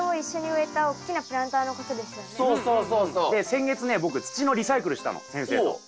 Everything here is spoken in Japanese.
先月ね僕土のリサイクルしたの先生と。